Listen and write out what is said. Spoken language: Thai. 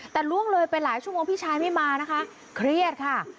แต่ล่วงเลยไปหลายชั่วโมงพี่ชายไม่มานะคะเครียดค่ะ